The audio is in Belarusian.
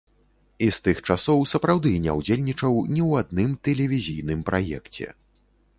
І з тых часоў сапраўды не ўдзельнічаў ні ў адным тэлевізійным праекце.